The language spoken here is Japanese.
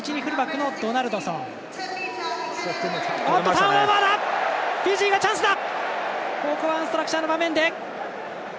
ターンオーバーフィジーがチャンスだ！